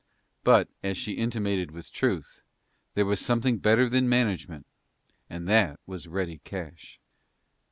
But, as she intimated with truth, there was something better than management, and that was ready cash.